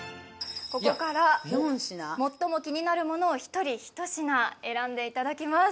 ここから最も気になるものを１人１品選んでいただきます